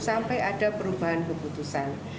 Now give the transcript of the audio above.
sampai ada perubahan keputusan